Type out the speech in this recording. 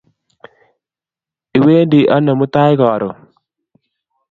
Iwendi ano mutai karon?